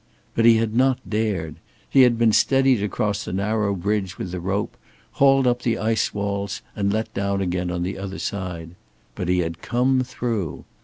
But he had not dared. He had been steadied across the narrow bridge with the rope, hauled up the ice walls and let down again on the other side. But he had come through.